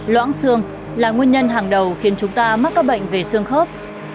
loãng xương là nguyên nhân hàng đầu khiến chúng ta mắc các bệnh về xương khớp